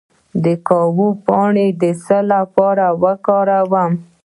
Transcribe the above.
د کاهو پاڼې د څه لپاره وکاروم؟